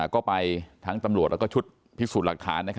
ก็ไปทั้งตำรวจแล้วก็ชุดภิกษุหลักฐาน